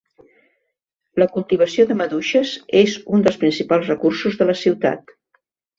La cultivació de maduixes és un dels principals recursos de la ciutat.